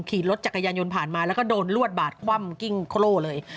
ขี่รถจักรยานยนต์ผ่านมาแล้วก็โดนลวดบาดคว่ำกิ้งโคร่เลย